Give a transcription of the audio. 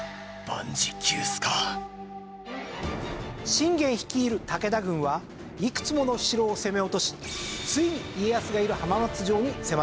信玄率いる武田軍はいくつもの城を攻め落としついに家康がいる浜松城に迫ります。